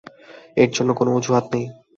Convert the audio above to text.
এর জন্য কোন অযুহাত নেই।